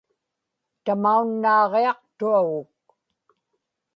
tamaunnaaġiaqtuaguk